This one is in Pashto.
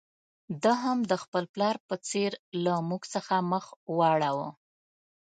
ده هم د خپل پلار په څېر له موږ څخه مخ واړاوه.